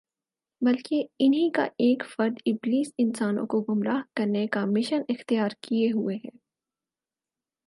بلکہ انھی کا ایک فرد ابلیس انسانوں کو گمراہ کرنے کا مشن اختیار کیے ہوئے ہے